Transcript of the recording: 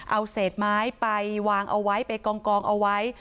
เอาเศษไม้ไปวางเอาไว้ไปกองเอาไว้